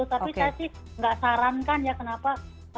tapi saya sih nggak sarankan ya kenapa